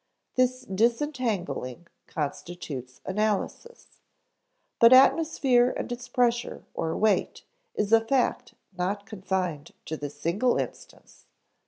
This disentangling constitutes analysis. But atmosphere and its pressure or weight is a fact not confined to this single instance.